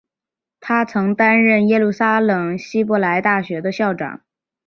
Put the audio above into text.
他曾担任耶路撒冷希伯来大学的校长。